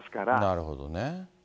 なるほどね。